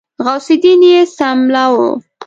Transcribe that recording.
غوث الدين يې څملاوه.